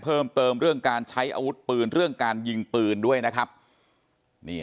เพิ่มเติมเรื่องการใช้อาวุธปืนเรื่องการยิงปืนด้วยนะครับนี่